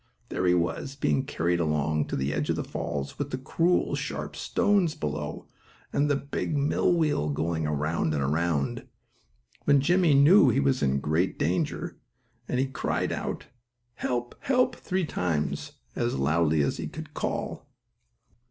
There he was, being carried along to the edge of the falls, with the cruel, sharp stones below, and the big millwheel going around and around. Then Jimmie knew he was in great danger, and he cried out: "Help! Help! Help!" three times, as loudly as he could call.